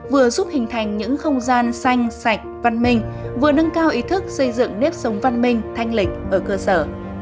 vừa giúp hình thành những không gian xanh sạch văn minh vừa nâng cao ý thức xây dựng nếp sống văn minh thanh lịch ở cơ sở